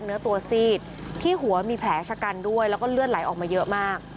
เนื้อตัวซีดที่หัวมีแผลชะกันด้วยแล้วก็เลือดไหลออกมาเยอะมาก